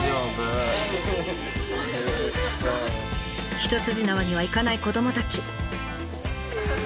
一筋縄にはいかない子どもたち。